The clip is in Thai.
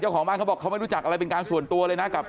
ของบ้านเขาบอกเขาไม่รู้จักอะไรเป็นการส่วนตัวเลยนะกับ